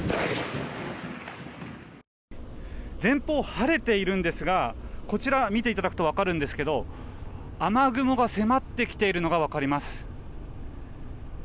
前方、晴れているんですがこちら見ていただくと分かるんですが雨雲が迫ってきているのが分かります。